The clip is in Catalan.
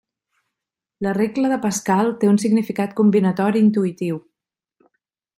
La regla de Pascal té un significat combinatori intuïtiu.